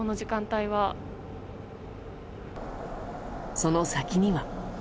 その先には。